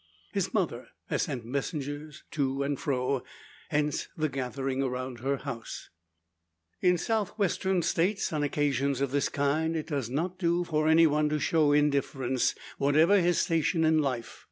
His mother has sent messengers to and fro; hence the gathering around her house. In the South Western States, on occasions of this kind, it does not do for any one to show indifference, whatever his station in life.